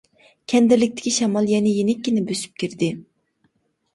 كەندىرلىكتىكى شامال يەنە يېنىككىنە بۆسۈپ كىردى.